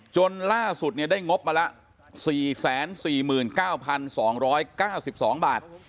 จนล่าสุดได้งบมาละ๔๔๙๒๙๒บาท